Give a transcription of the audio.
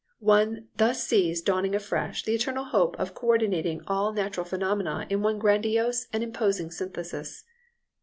One thus sees dawning afresh the eternal hope of co ordinating all natural phenomena in one grandiose and imposing synthesis.